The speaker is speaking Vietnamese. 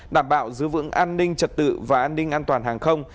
đảm bảo giữ vững an ninh trật tự và an ninh an toàn hàng không